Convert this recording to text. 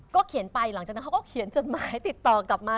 เขียนไปหลังจากนั้นเขาก็เขียนจดหมายติดต่อกลับมา